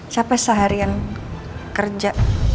sampai seharian kerja